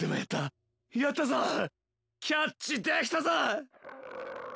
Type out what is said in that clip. キャッチできたぞッ！